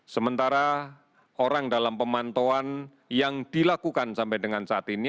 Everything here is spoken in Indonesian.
sementara orang dalam pemantauan yang dilakukan sampai dengan saat ini